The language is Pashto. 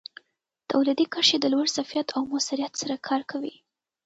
تولیدي کرښې د لوړ ظرفیت او موثریت سره کار کوي.